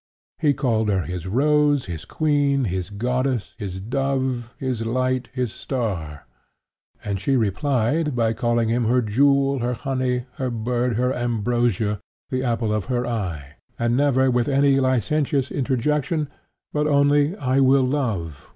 He called her his rose, his queen, his goddess, his dove, his light, his star, and she replied by calling him her jewel, her honey, her bird, her ambrosia, the apple of her eye, and never with any licentious interjection, but only 'I will love!'